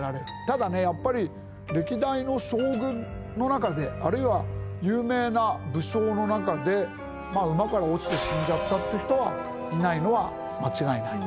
ただねやっぱり歴代の将軍の中であるいは有名な武将の中で馬から落ちて死んじゃったっていう人はいないのは間違いない。